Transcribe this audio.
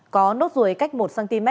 có nốt ruồi cách một cm